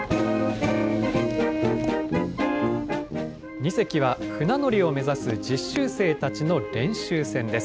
２隻は船乗りを目指す実習生たちの練習船です。